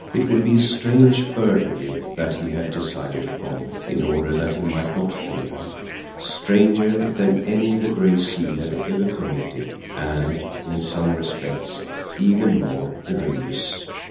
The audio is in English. It would be a strange burglary that he had decided upon, in order that he might not fail her stranger than any the Gray Seal had ever committed, and, in some respects, even more perilous!